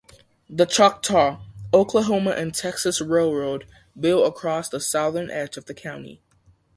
The Choctaw, Oklahoma and Texas Railroad built across the southern edge of the county.